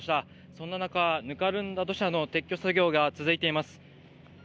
そんな中、ぬかるんだ土砂の撤去作業が続いています。